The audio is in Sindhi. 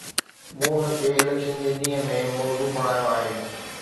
مون ان کي اليڪشن جي ڏينهن ۾ موضوع بڻايو آهي.